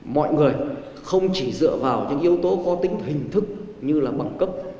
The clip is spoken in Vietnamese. mọi người không chỉ dựa vào những yếu tố có tính hình thức như là bằng cấp